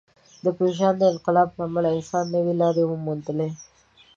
د پېژاند انقلاب له امله انسانانو نوې لارې وموندلې.